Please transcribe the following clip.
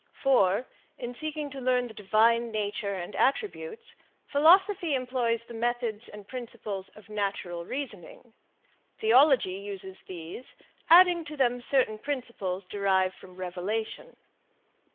For, in seeking to learn the divine nature and attributes, philosophy employs the methods and principles of natural reasoning; theology uses these, adding to them certain principles derived from revelation.